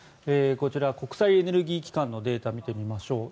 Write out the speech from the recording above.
こちら、国際エネルギー機関のデータを見てみましょう。